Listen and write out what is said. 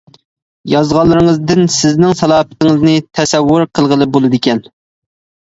يازغانلىرىڭىزدىن سىزنىڭ سالاپىتىڭىزنى تەسەۋۋۇر قىلغىلى بولىدىكەن.